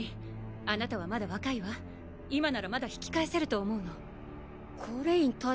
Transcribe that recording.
あなたはまだ若いわ今ならまだ引き返せると思うのコーレイン大尉